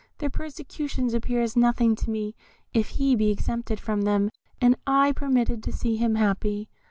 Their persecutions appear as nothing to me if he be exempted from them, and I permitted to see him happy.